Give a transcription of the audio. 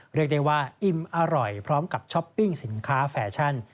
เรียกได้ว่าอิ่มอร่อยพร้อมกับช้อปปิ้งสินค้าแฟชั่น